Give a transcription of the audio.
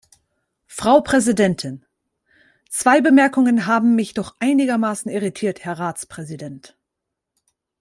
Frau Präsidentin! Zwei Bemerkungen haben mich doch einigermaßen irritiert, Herr Ratspräsident.